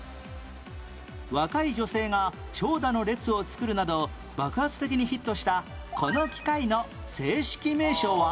若い女性が長蛇の列を作るなど爆発的にヒットしたこの機械の正式名称は？